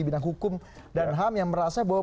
bidang hukum dan ham yang merasa bahwa